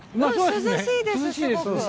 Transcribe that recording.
涼しいです。